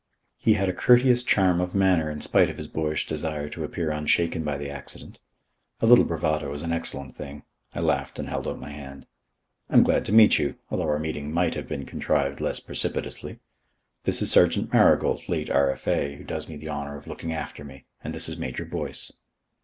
He had a courteous charm of manner in spite of his boyish desire to appear unshaken by the accident. A little bravado is an excellent thing. I laughed and held out my hand. "I'm glad to meet you although our meeting might have been contrived less precipitously. This is Sergeant Marigold, late R.F.A., who does me the honour of looking after me. And this is Major Boyce."